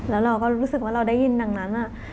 แล้วเราก็รู้สึกว่าเราได้ยินดังนั้น